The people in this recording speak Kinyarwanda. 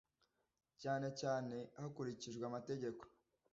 cyane cyane hakurikijwe amategeko.